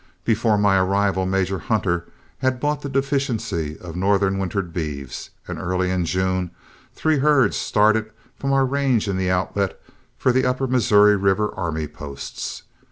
Before my arrival Major Hunter had bought the deficiency of northern wintered beeves, and early in June three herds started from our range in the Outlet for the upper Missouri River army posts.